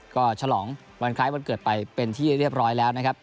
ก็ฉลองวันคล้ายวันเกิดไปเป็นที่เรียบร้อยแล้วนะครับ